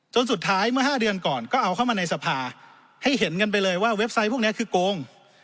สุดท้ายเมื่อ๕เดือนก่อนก็เอาเข้ามาในสภาให้เห็นกันไปเลยว่าเว็บไซต์พวกนี้คือโกง